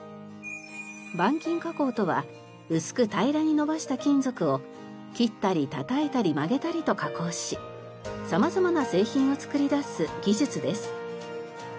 板金加工とは薄く平らに延ばした金属を切ったり叩いたり曲げたりと加工し様々な製品を作り出す技術です。